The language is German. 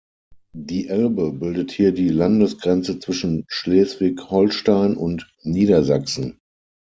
Die Elbe bildet hier die Landesgrenze zwischen Schleswig-Holstein und Niedersachsen.